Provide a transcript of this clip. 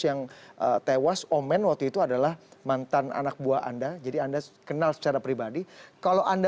yang tewas omen waktu itu adalah mantan anak buah anda jadi anda kenal secara pribadi kalau anda